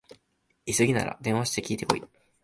急ぎなら電話して聞いてこい